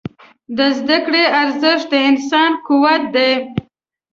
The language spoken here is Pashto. د زده کړې ارزښت د انسان قوت دی.